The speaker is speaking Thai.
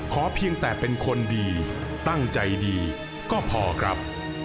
เพียงแต่เป็นคนดีตั้งใจดีก็พอครับ